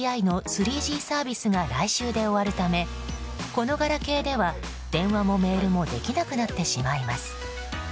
ＫＤＤＩの３Ｇサービスが来週で終わるためこのガラケーでは電話もメールもできなくなってしまいます。